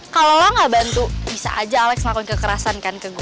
kalau lo gak bantu bisa aja alex melakukan kekerasan kan ke gue